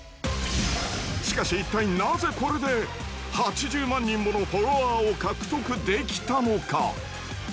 しかしいったいなぜこれで８０万人ものフォロワーを獲得できたのか？